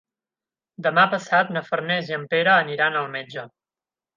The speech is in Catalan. Demà passat na Farners i en Pere aniran al metge.